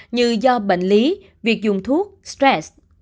như do bệnh lý việc dùng thuốc stress